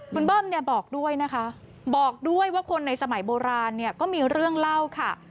คุณเบิ้มเนี่ยบอกด้วยนะคะบอกด้วยว่าคนในสมัยโบราณเนี่ยก็มีเรื่องเล่าค่ะ